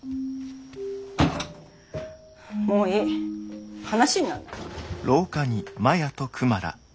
もういい話になんない。